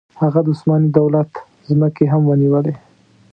هغه د عثماني دولت ځمکې هم ونیولې.